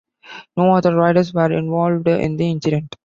No other riders were involved in the incident.